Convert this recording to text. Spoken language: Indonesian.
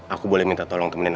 aku boleh minta tolong kemudian